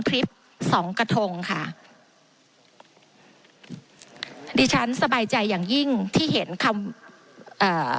คลิปสองกระทงค่ะดิฉันสบายใจอย่างยิ่งที่เห็นคำเอ่อ